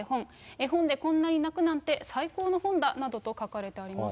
絵本でこんなに泣くなんて最高の本だなどと書かれてあります。